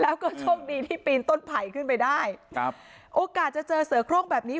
แล้วก็โชคดีที่ปีนต้นไผ่ขึ้นไปได้ครับโอกาสจะเจอเสือโครงแบบนี้